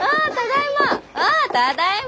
あただいま！